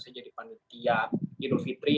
saya jadi panitia idul fitri